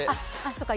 そっか。